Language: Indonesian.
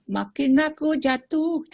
makin aku jatuh